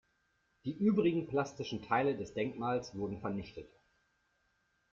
Die übrigen plastischen Teile des Denkmals wurden vernichtet.